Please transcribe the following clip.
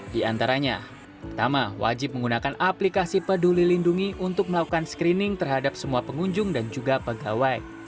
di antaranya pertama wajib menggunakan aplikasi peduli lindungi untuk melakukan screening terhadap semua pengunjung dan juga pegawai